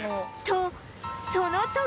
とその時